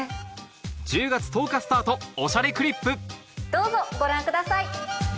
１０月１０日スタート『おしゃれクリップ』どうぞご覧ください。